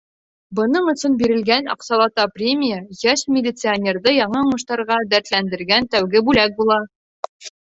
Бының өсөн бирелгән аҡсалата премия йәш милиционерҙы яңы уңыштарға дәртләндергән тәүге бүләк була.